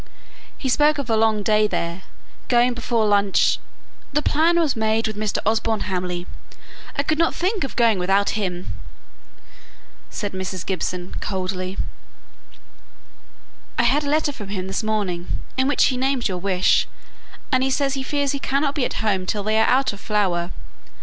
He spoke of a long day there, going before lunch " "The plan was made with Mr. Osborne Hamley. I could not think of going without him!" said Mrs. Gibson, coldly. "I had a letter from him this morning, in which he named your wish, and he says he fears he cannot be at home till they are out of flower.